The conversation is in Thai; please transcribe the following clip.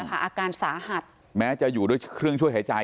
อาการสาหัสแม้จะอยู่ด้วยเครื่องช่วยหายใจ